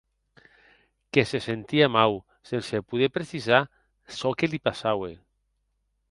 Que se sentie mau, sense poder precisar çò que li passaue.